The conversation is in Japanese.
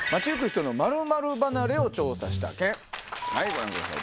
ご覧ください